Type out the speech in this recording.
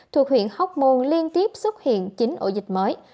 thuộc huyện hóc môn liên tiếp xuất hiện chín ổ dịch mới